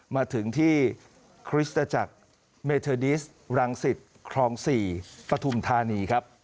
มาถึงที่คริสตจากเมทอดิสรังศิษฐ์คลองสี่ปทุมธานี